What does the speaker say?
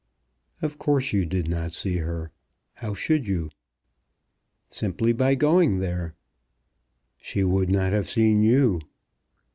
"Of course you did not see her. How should you?" "Simply by going there." "She would not have seen you."